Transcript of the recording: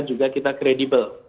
juga kita kredibel